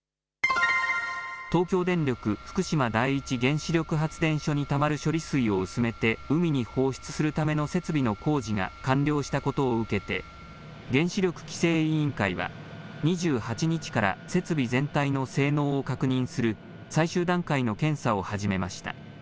東京電力福島第一原子力発電所にたまる処理水を薄めて海に放出するための設備の工事が完了したことを受けて、原子力規制委員会は、２８日から設備全体の性能を確認する最終段階の検査を始めました。